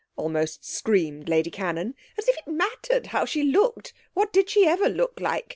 almost screamed Lady Cannon. 'As if it mattered how she looked! What did she ever look like?